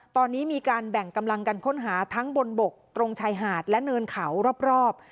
ตอนนี้มีการแบ่งกำลังกันค้นหาทั้งบนบกตรงชายหาดและเนินเขารอบ